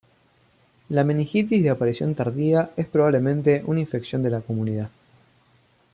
La meningitis de aparición tardía es probablemente una infección de la comunidad.